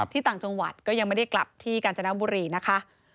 ถือว่าผิดผู้ก็อาจารย์ก็สู้ไปนะ